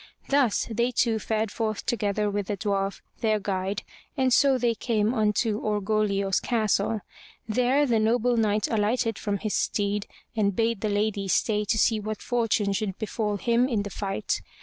Thus they two fared forth together with the dwarf, their guide, and so they came unto Orgoglio's castle. There the noble Knight alighted from his steed and bade the lady stay to see what fortune should befall him in the fight.